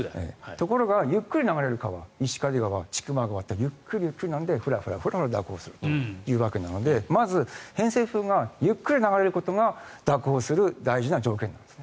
ところがゆっくり流れる川石狩川、千曲川とかゆっくり流れる川はふらふら流れるわけなのでまず偏西風がゆっくり流れることが蛇行する大事な条件です。